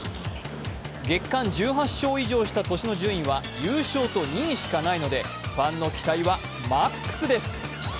月間１８勝以上した年の順位は優勝と２位しかないのでファンの期待はＭＡＸです。